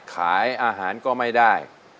ขายอาหารก็ไม่ได้